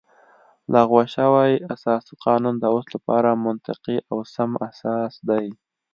لغوه شوی اساسي قانون د اوس لپاره منطقي او سم اساس دی